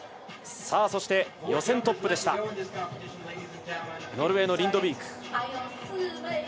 そして、予選トップでしたノルウェーのリンドビーク。